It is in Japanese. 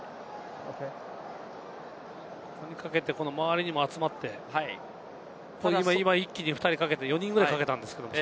ここにかけて周りにも集まって、ただいま一気に２人かけて、４人ぐらいかけたんですけれどもね。